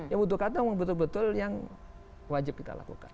ya butuhkan itu memang betul betul yang wajib kita lakukan